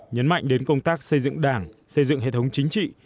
nhấn mạnh đến công tác xây dựng đảng xây dựng hệ thống chính trị